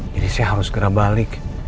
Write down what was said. jadi saya harus segera balik